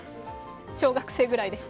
小学生ぐらいでした。